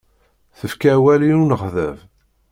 Tefka awal i unexḍab.